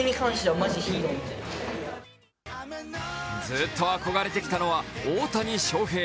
ずっと憧れてきたのは大谷翔平。